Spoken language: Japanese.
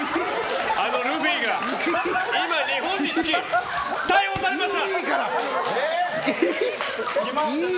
あのルフィが今日本に着き、逮捕されました！